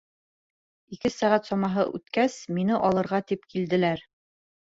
Ике сәғәт самаһы үткәс, мине алырға тип килделәр.